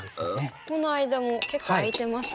ここの間も結構空いてますもんね。